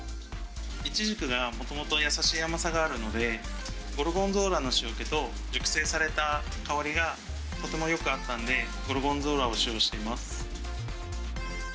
イチジクがもともと優しい甘さがあるので、ゴルゴンゾーラの塩気と熟成された香りがとてもよく合ったんで、ゴルゴンゾーラを使用しています。